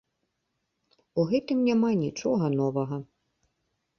У гэтым няма нічога новага.